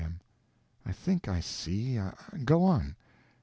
M. I think I see. Go on.